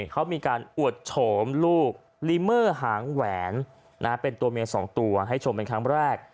เขามีการอวดโฉมลูกลิเมอร์หางแหวนเป็นตัวเมีย๒ตัวให้ชมเป็นครั้งแรก